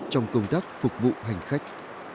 trong công tác phục vụ hành khách